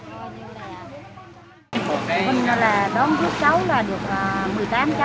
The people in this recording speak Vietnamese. hình là đón giúp cháu là được một mươi tám cháu còn lại là một mươi bảy cháu bị kẹt trong trường tại phòng hình tới